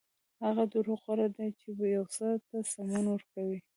هغه دروغ غوره دي چې یو څه ته سمون ورکوي.